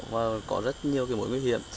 và có rất nhiều cái mối nguy hiểm